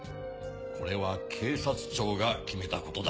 これは警察庁が決めたことだ。